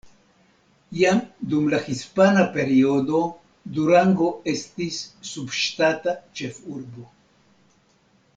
Jam dum la hispana periodo Durango estis subŝtata ĉefurbo.